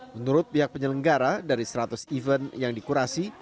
menurut pihak penyelenggara dari seratus event yang dikurasi